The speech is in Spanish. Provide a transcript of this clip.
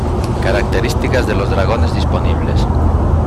Características de los Dragones disponibles.